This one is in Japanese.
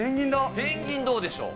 ペンギン、どうでしょう。